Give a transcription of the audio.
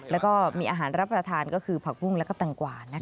แล้วก็มีอาหารรับประทานก็คือผักบุ้งและแตงกว่า